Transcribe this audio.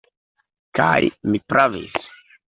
Kaj mi pravis.